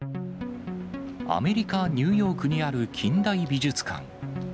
アメリカ・ニューヨークにある近代美術館。